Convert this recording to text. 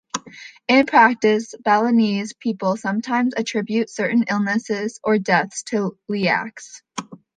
In practice, Balinese people sometimes attribute certain illness or deaths to leyaks.